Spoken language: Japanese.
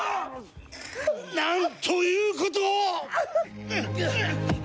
なんということを！